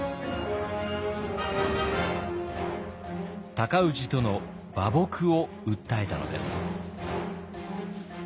尊氏との和睦を訴えたのです。